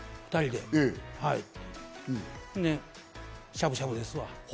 で、しゃぶしゃぶですわ。